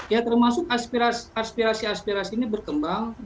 ya termasuk aspirasi aspirasi ini berkembang